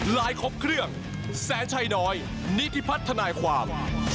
ครบเครื่องแสนชัยน้อยนิธิพัฒนาความ